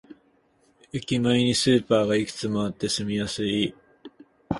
駅前にスーパーがいくつもあって住みやすい